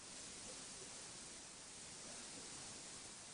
শুনেছি বিয়ের পরে স্বামী স্ত্রী ধীরে ধীরে আলাদা হতে থাকে।